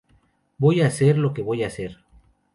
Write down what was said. Voy hacer lo que voy a hacer.